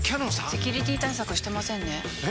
セキュリティ対策してませんねえ！